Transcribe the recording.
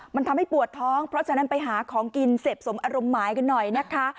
มันทำให้ปวดท้องเพราะฉะนั้นไปหาของกินเสพสมอารมณ์หมายกันหน่อยนะคะ